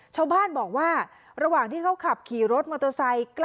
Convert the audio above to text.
ชาวบ้านบอกว่าระหว่างที่เขาขับขี่รถมอเตอร์ไซค์